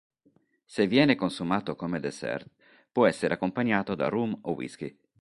Se viene consumato come dessert può essere accompagnato da rum o whisky.